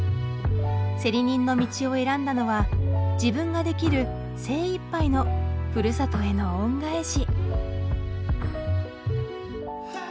競り人の道を選んだのは自分ができる精いっぱいのふるさとへの恩返し。